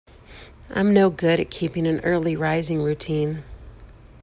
I'm no good at keeping an early rising routine.